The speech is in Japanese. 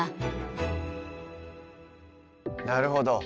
なるほど。